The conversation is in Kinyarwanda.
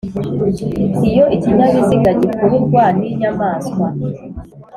iyo ikinyabiziga gikururwa n inyamaswa